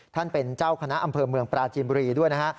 ท่านเป็นเจ้าคณะอำเภอเมืองปราจีนบุรีด้วยนะฮะ